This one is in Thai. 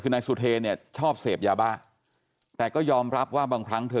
คือนายสุเทรเนี่ยชอบเสพยาบ้าแต่ก็ยอมรับว่าบางครั้งเธอ